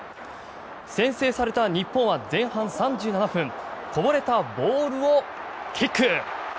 先制された日本は前半３７分こぼれたボールをキック！